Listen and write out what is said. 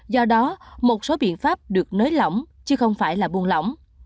do đó một số biện pháp được nới lỏng chứ không phải là buôn lỏng